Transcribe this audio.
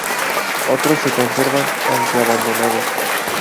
Otros se conservan, aunque abandonados.